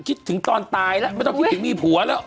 คิดถึงตอนตายแล้วไม่ต้องคิดถึงมีผัวแล้ว